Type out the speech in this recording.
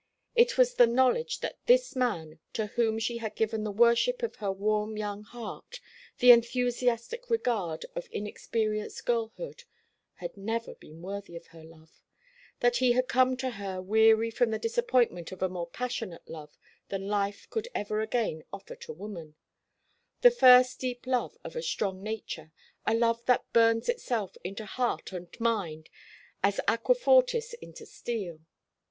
It was the knowledge that this man, to whom she had given the worship of her warm young heart, the enthusiastic regard of inexperienced girlhood, had never been worthy of her love; that he had come to her weary from the disappointment of a more passionate love than life could ever again offer to woman the first deep love of a strong nature a love that burns itself into heart and mind as aquafortis into steel.